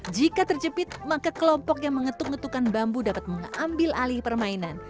jika terjepit maka kelompok yang mengetuk ngetukan bambu dapat mengambil alih permainan